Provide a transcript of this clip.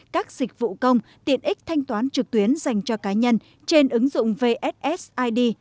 các dịch vụ công tiện ích thanh toán trực tuyến dành cho cá nhân trên ứng dụng vssid